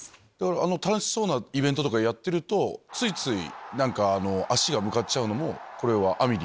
楽しそうなイベントとかやってるとついつい足が向かっちゃう。